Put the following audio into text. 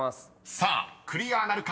［さあクリアなるか？